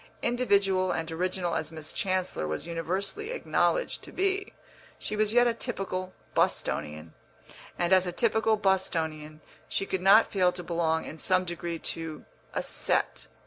Individual and original as Miss Chancellor was universally acknowledged to be, she was yet a typical Bostonian, and as a typical Bostonian she could not fail to belong in some degree to a "set."